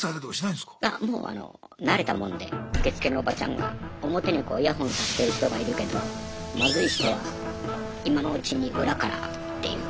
いやもう慣れたもんで受付のおばちゃんが表にイヤホンさしてる人がいるけどマズい人は今のうちに裏からっていう。